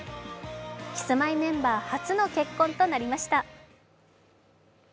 キスマイメンバー初の結婚となりました。